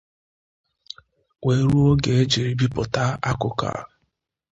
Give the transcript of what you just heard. wee ruo oge e jiri bipụta akụkọ a.